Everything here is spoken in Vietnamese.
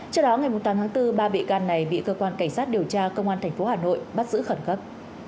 trước đó ngày tám tháng bốn ba bị can này bị cơ quan cảnh sát điều tra công an tp hà nội bắt giữ khẩn cấp